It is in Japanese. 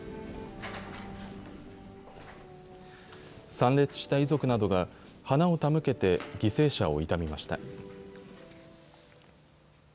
参列した遺族などが花を手向けて犠牲者を悼みました。